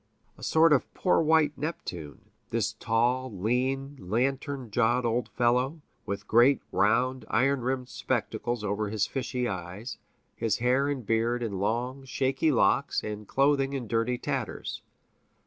A sort of poor white Neptune, this tall, lean, lantern jawed old fellow, with great round, iron rimmed spectacles over his fishy eyes, his hair and beard in long, snaky locks, and clothing in dirty tatters.